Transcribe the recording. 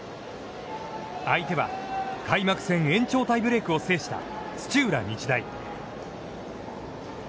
相手は、開幕戦延長タイブレークを制した土浦日大。